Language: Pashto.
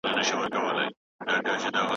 په دربار کي وو پلټن د ښکلیو نجونو